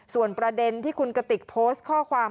ส่วนประเด็นที่คุณกติกโพสต์ข้อความ